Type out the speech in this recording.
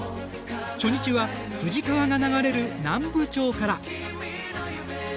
初日は富士川が流れる南部町から。